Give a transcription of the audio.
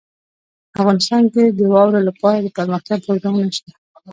افغانستان کې د واوره لپاره دپرمختیا پروګرامونه شته.